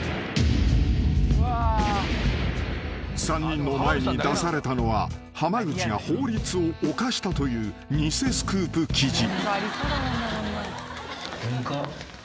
［３人の前に出されたのは濱口が法律を犯したという偽スクープ記事］